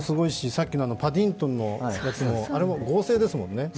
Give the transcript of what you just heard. さっきのパディントンのやつも、合成ですもんね。